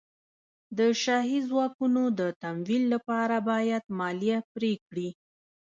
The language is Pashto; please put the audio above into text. د شاهي ځواکونو د تمویل لپاره باید مالیه پرې کړي.